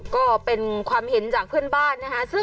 ก็เป็นความเห็นจากเพื่อนบ้านนะคะ